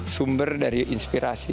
sumber dari inspirasi